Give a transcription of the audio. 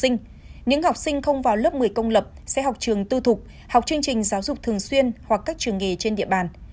những học sinh không vào lớp một mươi công lập sẽ học trường tư thục học chương trình giáo dục thường xuyên hoặc các trường nghề trên địa bàn